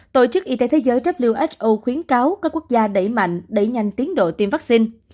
tổ chức y tế thế giới who khuyến cáo các quốc gia đẩy mạnh đẩy nhanh tiến độ tiêm vaccine